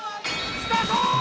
スタート！